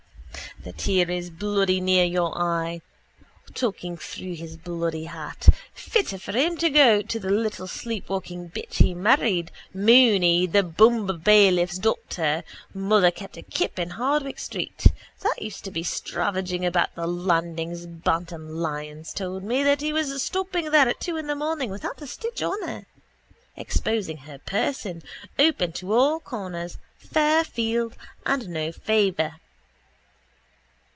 The tear is bloody near your eye. Talking through his bloody hat. Fitter for him go home to the little sleepwalking bitch he married, Mooney, the bumbailiff's daughter, mother kept a kip in Hardwicke street, that used to be stravaging about the landings Bantam Lyons told me that was stopping there at two in the morning without a stitch on her, exposing her person, open to all comers, fair field and no favour.